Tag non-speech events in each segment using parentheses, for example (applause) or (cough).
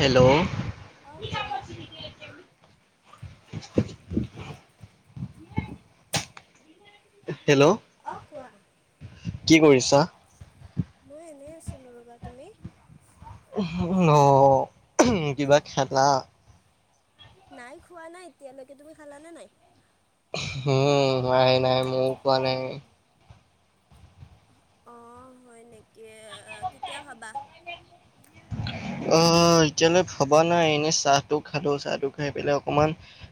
Hello. অ কোৱা। (inaudible) (unintelligible) Hello. অ কোৱা। কি কৰিছা? মই এনেই আছিলো ৰ'বা, তুমি? অ কিবা খেলা? নাই খোৱা নাই এতিয়ালৈকে। তুমি খালানে নাই? হুম নাই নাই, মও খোৱা নাই। অ হয় নেকি? কেতিয়া খাবা? অ এতিয়ালৈ ভবা নাই। এনেই চাহটো খালো। চাহটো খাই পেলাই অকমান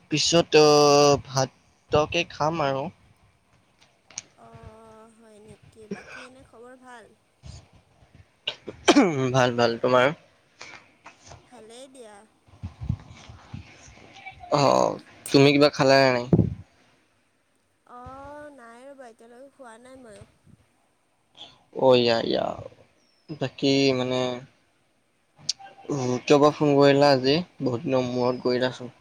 পিছত অ ভাত কে খাম আৰু। অ, অ হয় নেকি? বাকী এনে খবৰ ভাল? উ ভাল, ভাল। তোমাৰ? ভালেই দিয়া। অ, তুমি কিবা খালা নে নাই? অ নাই ৰ'বা এতিয়ালৈকে খোৱা নাই মইও। অ ইয়ায়া বাকী মানে উম কিয় বা ফোন কৰিলা আজি বহুত দিনৰ মূৰত গৈলাছোন।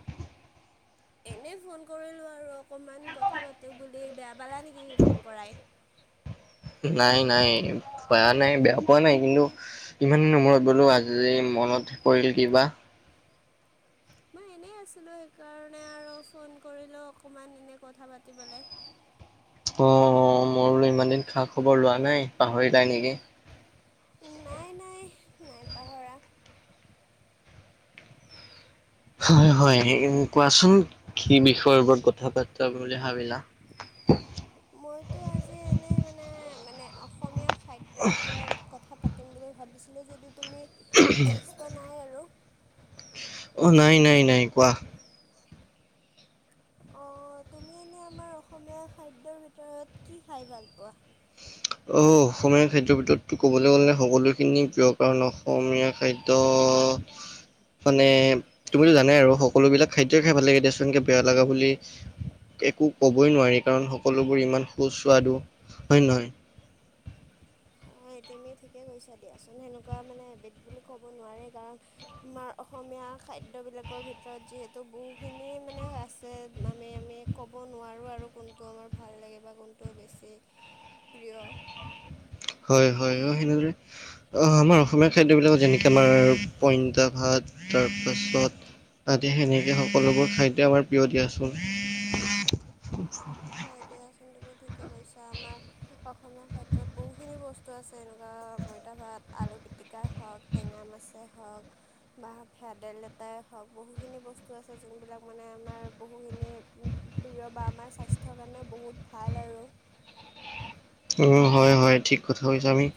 এনেই ফোন কৰিলোঁ আৰু অকণমান কথা পাতোঁ বুলি বেয়া পালা নেকি ফোন কৰাই। নাই নাই পাৰা নাই, বেয়া পোৱা নাই। কিন্তু ইমান দিনৰ মূৰত গ'লো। আজি যে মনত পৰিল কিবা। মই এনেই আছিলো। সেইকাৰণে আৰু ফোন কৰিলো অকমান এনে কথা পাতিবলে। অ, অ মই বোলো ইমান দিন খা -খবৰ লোৱা নাই। পাহৰিলাই নেকি? নাই নাই নাই পাহৰা। হয় হয় কোৱাচোন কি বিষয়ৰ ওপৰত কথা পাতা বুলি ভাবিলা? মইতো আজি এনে মানে মানে অসমীয়া খাদ্যৰ ওপৰত কথা পাতিম বুলি ভাবিছিলোঁ যদিও তুমি বিয়স্ত নাই আৰু। অ নাই নাই নাই। কোৱা? অ তুমি এনেই আমাৰ অসমীয়া খাদ্যৰ ভিতৰত কি খাই ভাল পোৱা? অ হ অসমীয়া খাদ্যৰ ভিতৰতো ক'বলৈ গলে সকলোখিনি প্ৰিয় কাৰণ অসমীয়া খাদ্য ত। মানে তুমিতো জানাই আৰু সকলো বিলাক খাদ্যই খাই ভাল লাগে দেয়াচোন বেয়া লগা বুলি একো কবই নোৱাৰি কাৰণ সকলোবোৰ ইমান সুস্বাদু হয় নে নহয়? হয় তুমি ঠিকেই কৰিছা দিয়াচোন সেনেকুৱা মানে এবিট বুলি ক'ব নোৱাৰে বা আমাৰ অসমীয়া খাদ্যবিলাকৰ ভিতৰত যিহেতু বহুখিনি মানে আছে মামে আমেক ক'ব নোৱাৰোঁ আৰু কোনটো আমাৰ ভাল লাগে বা কোনটো বেছি প্ৰিয়। হয় হয় হয় সেনেদৰে অ আমাৰ অসমীয়া খাদ্যবিলাকত যেনেকে আমাৰ পইনতা ভাত তাৰপাছত ততি সেনেকে সকলোবোৰ খাদ্য আমাৰ প্ৰিয় দিয়াচোন। হয় দিয়াচোন তুমি ঠিকে কৈছা আমাৰ অসমীয়া খাদ্যত বহুখিনি বস্তু আছে এনেকুৱা পইতা ভাত আলু পিটিকাই হওক। টেঙা মাছেই হওক। বা ভেদাইলতাই হওক বহুখিনি বস্তু আছে যোনবিলাক মানে আমাৰ বহুখিনি প্ৰিয় বা আমাৰ স্বাস্থ্যৰ কাৰণেও বহুত ভাল আৰু। উম হয় হয় ঠিক কথা কৈছো আমি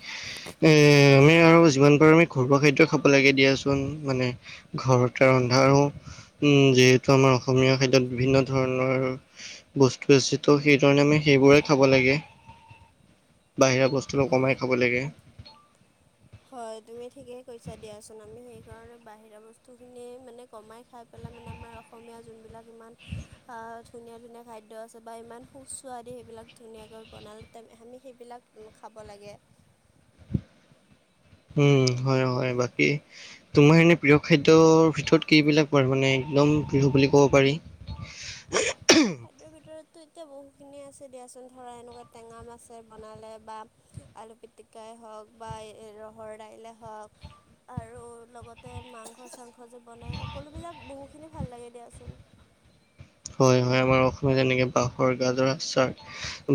এ আমি আৰু যিমান পাৰো আমি ঘৰুৱা খাদ্য খাব লাগে দিয়াচোন মানে ঘৰতে ৰন্ধা উম যিহেতু আমাৰ অসমীয়া খাদ্যত বিভিন্ন ধৰণৰ বস্তু আছে ত' সেই ধৰণে আমি সেইবোৰে খাব লাগে। বাহিৰা বস্তুটো কমাই আৰু খাব লাগে। হয় তুমি ঠিকেই কৈছা দিয়াচোন আমি সেইকাৰণে বাহিৰা বস্তুখিনি মানে কমাই খাই পেলাই মানে আমাৰ অসমীয়া যোনবিলাক ইমান আ ধুনীয়া ধুনীয়া খাদ্য আছে বা ইমান সুস্বাদু সেইবিলাক ধুনীয়াকৈ বনালে আমি সেইবিলাক উম খাব লাগে। উম হয় হয় বাকী তোমাৰ এনে প্ৰিয় খাদ্যৰ ভিতৰত কিবিলাক ৱাৰ একদম প্ৰিহ বুলি ক'ব পাৰি। (unintelligible) খাদ্যৰ ভিতৰতো এতিয়া বহুখিনিয়ে আছে দিয়াচোন ধৰা এনেকুৱা টেঙা আছে বনালে বা আলু পিটিকাই হওক বা ৰহৰ দাইলে হওক আৰু লগতে মাংস চাংস যে বনাই সকলোবিলাক বহুখিনি ভাল লাগে দিয়াচোন। হয় হয় আমাৰ অসমীয়া যেনেকে বাঁহৰ গাজৰ আচাৰ,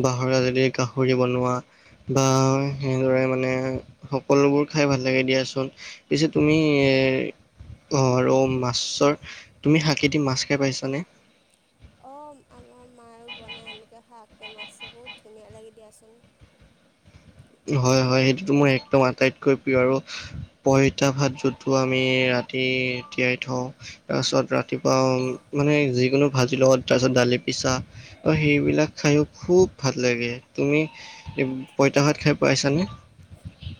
বাঁহৰ গাজদি গাহৰি বনোৱা বা সেনেদৰে মানে সকলোবোৰ খাই ভাল লাগে দিয়াচোন। পিছে তুমি অ ৰ মাছৰ তুমি শাকী দি মাছ খাই পাইছানে? অ আমাৰ মায়ো বনায় এনেকৈ শাককে মাছে বহুত ধুনীয়া লাগি দিয়াচোন। হয় হয় সেইটোতো মোৰ একদম আটাইতকৈ প্ৰিয় আৰু পইতা ভাত যতটো আমি ৰাতি তি তিয়াই থওঁ। তাৰপিছত ৰাতিপুৱা মানে যিকোনো ভাজিৰ লগত তাৰপিছত দালি পিছা। অ সেইবিলাক খাইয়ো খুব ভাল লাগে। তুমি পইতা ভাত খাই পাইছানে?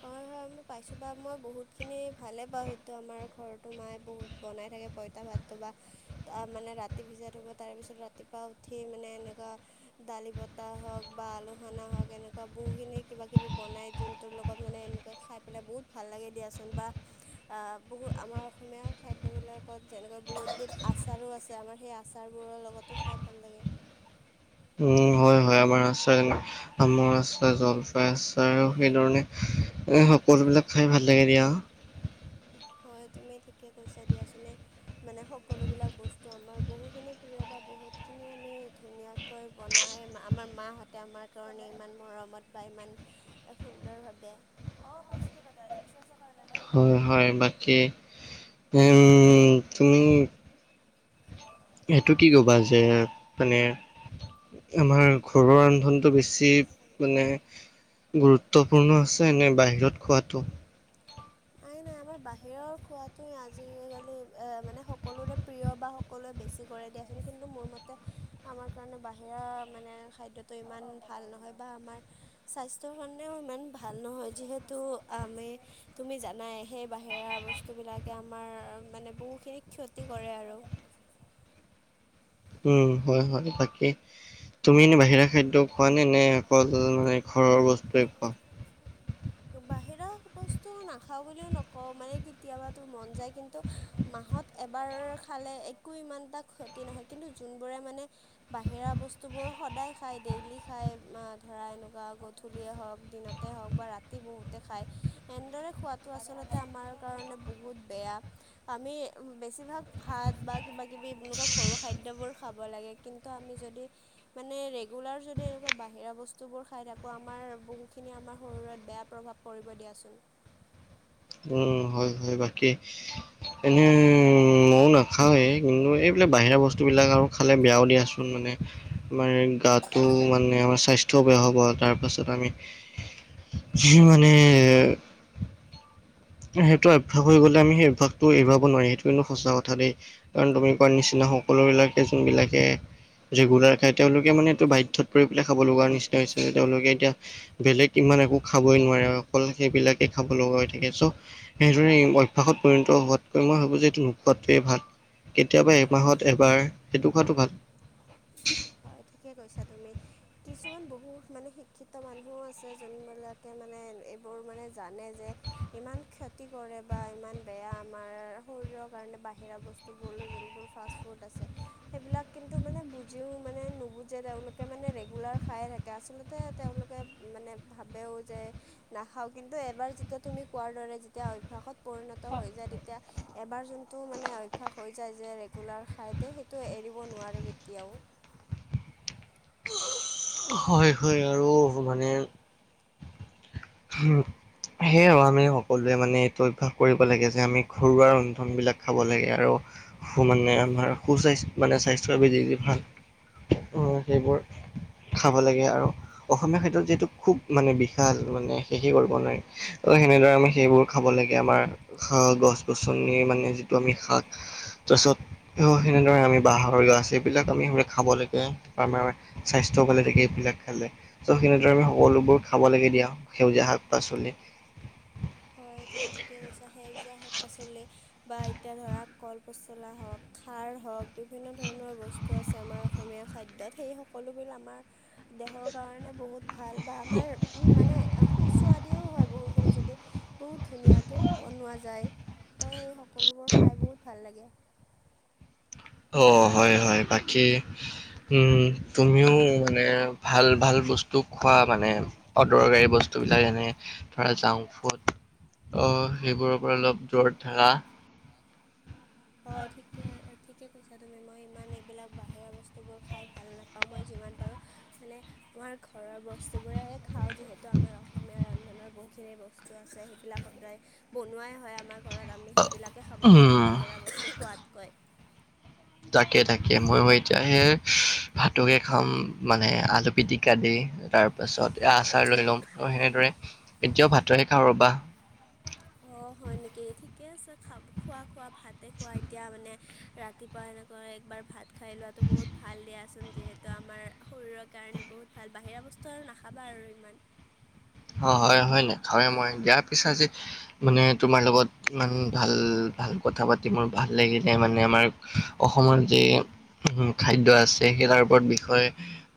হয় হয়। পাইছো বা মই বহুত খিনি ভালে পাওঁ সেইটো আমাৰ ঘৰতো মায়ে বহুত বনাই থাকে। পঁইতা ভাতটো বা, তা মানে ৰাতি ভিজাই ধুব তাৰপিছত ৰাতিপুৱা উঠি মানে এনেকুৱা দালি বতাহ হওক বা আলু খানা হওক এনেকুৱা বহু খিনি কিবা কিবি বনাই যোনটো লগ- অকণ মানে এনেকুৱা খাই পেলাই বহুত ভাল লাগে দিয়াচোন বা আ বহু আমাৰ অসমীয়া খাদ্যবিলাকত যেনেকৈ বহুতবিধ আচাৰো আছে আমাৰ সেই আ আচাৰবোৰৰ লগতো খাই ভাল লাগে। উম হয় হয় আমাৰ আছে। আমৰ আচাৰ জলফাই আচাৰ আৰু সেই ধৰণে এই সকলো বিলাক খাই ভাল লাগে দিয়া। (unintelligible) হয় তুমি ঠিকে কৈছা দিয়াচোন এই মানে সকলোবিলাক বস্তু আমাৰ বহুখিনি প্ৰিয় বা বহুতখিনি আমি ধুনীয়া কৈ বনায় এ আমাৰ মাহঁতে আমাৰ কাৰণে ইমান মৰমত বা ইমান এ সুন্দৰ ভাৱে অ পাইছোতো দাদা ইঞ্চুৰেঞ্চৰ কাৰণে ন হয় হয় বাকী উম তুমি অ অ। সেইটো কি ক'বা? যে মানে আমাৰ ঘৰৰ ৰন্ধনটো বেছি মানে গুৰুত্বপুৰ্ণ আছে নে বাহিৰত খোৱাটো? নাই নাই আমাৰ বাহিৰৰ খোৱাটো আজিকালি এ মানে সকলোৰে প্ৰিয় বা সক সকলোৱে বেছি কৰে দিয়াচোন কিন্তু মোৰ মতে আমাৰ কাৰণে বাহিৰা মানে খাদ্যটো ইমান ভাল নহয় বা আমাৰ স্বাস্থ্যৰ কাৰণেও ইমান ভাল নহয় যিহেতু আমি তুমি জানাই সেই বাহিৰা বস্তুবিলাকে আমাৰ মানে বহুখিনি ক্ষতি কৰে আৰু। উম হয় হয়। বাকী তুমি এনে বাহিৰা খাদ্য খোৱা নে নে অকল মানে ঘৰৰ বস্তুৱে খোৱা? তো বাহিৰা বস্তু নাখাওঁ বুলিও নকওঁ মানে কেতিয়াবাটো মন যায় কিন্তু মাহত এবাৰ খালে একো ইমান এটা ক্ষতি নহয় কিন্তু যোনবোৰে মানে বাহিৰা বস্তুবোৰ সদায় খায় ডেইলি খায় অমা ধৰা এনেকুৱা গধূলিয়ে হওঁক দিনতে হওঁক বা ৰাতি বহুতে খায়। এনেদৰে খোৱাটো আচলতে আমাৰ কাৰণে বহুত বেয়া। আমি উম বেছিভাগ ভাত বা কিবা কিবি এনেকুৱা ঘৰুৱা খাদ্যবোৰ খাব লাগে। কিন্তু আমি যদি মানে ৰেগুলাৰ যদি এনেকুৱা বাহিৰা বস্তুবোৰ খাই থাকোঁ আমাৰ বহুখিনি আমাৰ শৰীৰত বেয়া প্ৰভাৱ পৰিব দিয়াচোন। উম হয় হয়। বাকী এনেই মও নাখাৱেই কিন্তু এইবিলাক বাহিৰা বস্তুবিলাক আৱ খালে বেয়াও দিয়াচোন মানে আমাৰ গাটো মানে আমাৰ স্বাস্থ্যও বেয়া হ'ব তাৰপাছত আমি যিমানে সেইটো অভ্যাস হৈ গ'লে আমি সেই অভ্যাসটো এৰুৱাব নোৱাৰি সেইটো কিন্তু সঁচা কথা দেই। কাৰণ তুমি কোৱা হয় নিচিনা সকলোবিলাকে যোনবিলাকে ৰেগুলাৰ খাই তেওঁলোকে মানে এইটো বাধ্যত পৰি পেলাই খাব লগা নিচিনাই হৈছে। তেওঁলোকে এতিয়া বেলেগ ইমান একো খাবই নোৱাৰে অকল সেইবিলাকে খাব লগা হৈ থাকে। চ' সেইদৰেই অভ্যাসত পৰিণত হোৱাতকৈ মই ভাবোঁ যে এইটো নোখোৱাতোৱেই ভাল। কেতিয়াবা এমাহত এবাৰ সেইটো খোৱাটো ভাল। হয় ঠিকে কৈছা তুমি। কিছুমান বহুত মানে শিক্ষিত মানুহো আছে। যোনবিলাকে মানে এইবোৰ মানে জানে যে ইমান ক্ষতি কৰে বা ইমান বেয়া আমাৰ শৰীৰৰ কাৰণে বাহিৰা বস্তু। (unintelligible) যোনবোৰ বোৰ ফাষ্ট ফুড আছে সেইবিলাক কিন্তু মানে ভুজ বুজিও মানে নুবুজে তেওঁলোকে মানে ৰেগুলাৰ খায়ে থাকে। আচলতে তেওঁলোকে মানে ভাৱেও যে নাখাওঁ কিন্তু এবাৰ যেতিয়া তুমি কোৱাৰ দৰে যেতিয়া অভ্যাসত পৰিণত হৈ যায় তেত তিয়া এবাৰ যোনটো মানে অভ্যাস হৈ যায় যে ৰেগুলাৰ খাইতে সেইটো এৰিব নোৱাৰে কেতিয়াও। হয়, হয় আৰু মানে সেয়ে আমি সকলোৱে মানে এইটো অভ্যাস কৰিব লাগে যে আমি ঘৰুৱা ৰন্ধনবিলাক খাব লাগে আৰু সু মানে আমাৰ সুচাইছ মানে স্বাস্থ্যৰ বাবে যি যি ভাল সেইবোৰ খাব লাগে আৰু অসমীয়া খাদ্যত যিহেতু খুব মানে বিশাল মানে শেষে কৰিব নোৱাৰি। ত সেনেদৰে আমি সেইবোৰ খাব লাগে আমাৰ গছ-গছনি মানে যিটো আমি শাক তাৰছত অ সেনেদৰে আমি বাঁহৰ গাজ এইবিলাক আমি আমি খাব লাগে। আমাৰ স্বাস্থ্য স্বাস্থ্যও ভালে থাকে এইবিলাক খালে। চ' সেইনেদৰে আমি সকলোবোৰ খাব লাগে দিয়া সেউজীয়া শাক-পাচলি। হয় তুমি ঠিকে কৈছা। সেউজীয়া শাক-পাচলি বা এতিয়া ধৰা কল পচলা হওক, খাৰ হওক বিভিন্ন ধৰণৰ বস্তু বস্তু আছে আমাৰ অসমীয়া খাদ্যত। সেই সকলোবোৰ আমাৰ দেহৰ কাৰণে বহুত ভাল বা আমাৰ মানে সুস্বাদিও হয় বহুখিনি যদি বহুত ধুনীয়াকে বনোৱা যায়। ত' সেই সকলোবোৰ খাই বহুত ভাল লাগে। অ হয়, হয়। বাকী উম তুমিও মানে ভাল ভাল বস্তু বস্তু খোৱা মানে। অদৰকাৰী বস্তু বস্তুবিলাক এনে ধৰা জাংফুড অ সেইবোৰৰ পৰা অলপ দূৰত থাকা। হয় ঠিকে, ঠিকে কৈছা তুমি। মই ইমান এইবিলাক বাহিৰা বস্তুবোৰ খাই ভাল নাপাও। মই যিমান পাৰোঁ মানে আমাৰ ঘৰৰ বস্তুবোৰেহে খাও। যিহেতু আমাৰ অসমীয়া ৰন্ধনৰ বহুখিনি বচ তো আছে সেইবিলাক সদায় বনোৱাই হয় আমাৰ। ঘৰত আমি সেইবিলাকে খাব লাগে উম, বাহিৰা বস্তু খোৱাতকৈ। তাকে, তাকে। মইও এতিয়া হে ভাতকে খাম মানে আলু পিটিকা দি তাৰপাছত এ আচাৰ লৈ ল'ও। অ সেনেদৰে এতিয়াও ভাতহে খাওঁ ৰ'বা। অ, হয় নেকি? ঠিকে আছে, খোৱা খোৱা ভাতে খোৱা। এতিয়া মানে ৰা ৰাতিপুৱা এনেকৈ একবাৰ ভাত খাই লোৱাটো বহুত ভাল দিয়াচোন। যিহেতু আমাৰ শৰীৰৰ কাৰণে বহুত ভাল বাহিৰা বস্তু আৰু নাখাবা আৰু ইমান। অ হয় হয় নাখাওৱে মই। দিয়া পিছে আজি মানে তোমাৰ লগত ইমান ভাল ভাল কথা পাতি মোৰ ভাল লাগিলে। মানে আমাৰ অসমত যি খাদ্য আছে সেই তাৰ ওপৰত বিষয়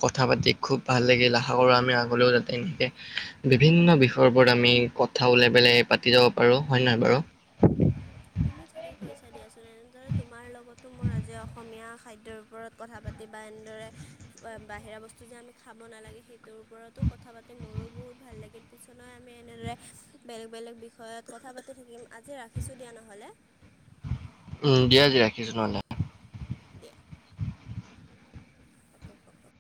কথা পাতি খুব ভাল লাগিল। আশা কৰো আমি আগলৈও যাতে এনেকে বিভিন্ন বিষয়ৰ ওপৰত আমি কথা ওলাই পেলাই পাতি যাব পাৰো। হয় নে নহয় বাৰু? তুমি ঠিকে কৈছা দিয়াচোন। এনেদৰে তোমাৰ লগতো মোৰ আজি অসমীয়া খাদ্যৰ ওপৰত কথা পাতি বা এনেদৰে বাহিৰা বস্তু যে আমি খাব নালাগে সেইটোৰ ওপৰতো কথা পাতি মোৰো বহুত ভাল লাগিল। পিছলৈ আমি এনেদৰে বেলেগ বেলেগ বিষয়ত কথা পাতি থাকিম। আজি ৰাখিছোঁ দিয়া নহ'লে। উম, দিয়া দিয়া ৰাখিছো নহ'লে। দিয়া। (unintelligible)